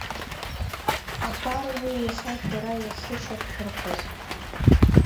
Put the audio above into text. Абар уи иахьа шәара иахьышьақәшәырӷәӷәаз.